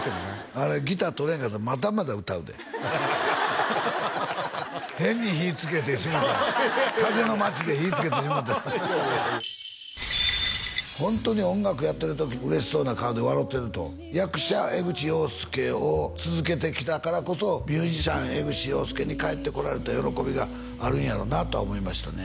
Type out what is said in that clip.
あれギター取らへんかったらまだまだ歌うで変に火つけてしもうた「風の街」で火つけてしもうたホントに音楽やってる時嬉しそうな顔で笑うてると役者江口洋介を続けてきたからこそミュージシャン江口洋介に帰ってこられた喜びがあるんやろなとは思いましたね